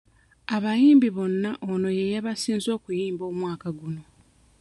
Abayimbi bonna ono ye yabasinze okuyimba omwaka guno.